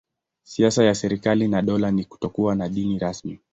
Siasa ya serikali na dola ni kutokuwa na dini rasmi.